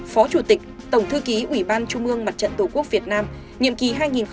phó chủ tịch tổng thư ký ủy ban chung mương mặt trận tổ quốc việt nam nhiệm ký hai nghìn một mươi bốn hai nghìn một mươi chín